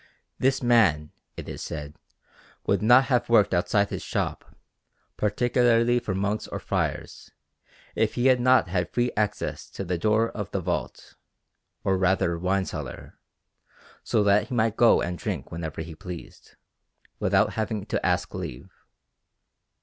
This man, it is said, would not have worked outside his shop, particularly for monks or friars, if he had not had free access to the door of the vault, or rather, wine cellar, so that he might go and drink whenever he pleased, without having to ask leave.